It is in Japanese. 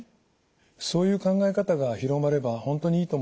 そういう考え方が広まれば本当にいいと思います。